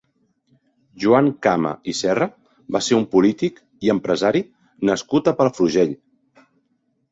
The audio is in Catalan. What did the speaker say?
Joan Cama i Serra va ser un polític i empresari nascut a Palafrugell.